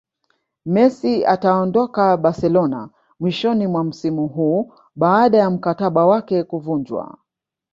Messi ataondoka Barcelona mwishoni mwa msimu huu baada ya mkataba wake kuvunjwa